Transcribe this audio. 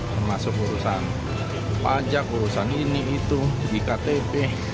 termasuk urusan pajak urusan ini itu iktp